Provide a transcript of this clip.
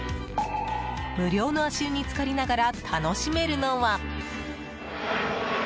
無料の足湯に浸かりながら楽しめるのは。